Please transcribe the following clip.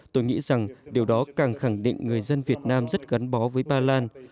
tôi nghĩ rằng điều đó càng khẳng định người dân việt nam rất gắn bó với ba lan